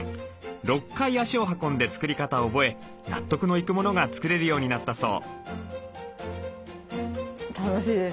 ６回足を運んで作り方を覚え納得のいくものが作れるようになったそう。